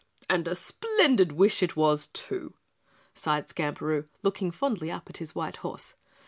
"And a splendid wish it was, too," sighed Skamperoo, looking fondly up at his white horse.